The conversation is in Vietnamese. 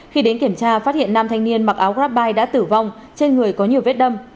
khi đến kiểm tra phát hiện nam thanh niên mặc áo grabbuy đã tử vong trên người có nhiều vết đâm